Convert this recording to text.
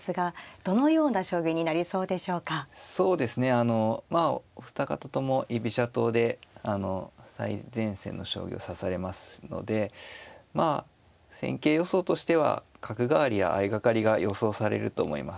あのまあお二方とも居飛車党で最前線の将棋を指されますのでまあ戦型予想としては角換わりや相掛かりが予想されると思います。